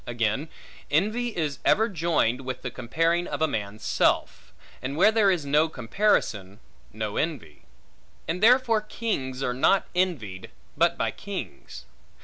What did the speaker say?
Again, envy is ever joined with the comparing of a man's self; and where there is no comparison, no envy; and therefore kings are not envied, but by kings.